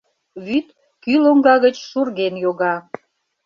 Вӱд кӱ лоҥга гыч шурген йога.